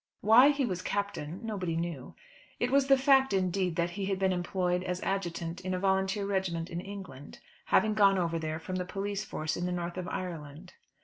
Why he was Captain nobody knew. It was the fact, indeed, that he had been employed as adjutant in a volunteer regiment in England, having gone over there from the police force in the north of Ireland.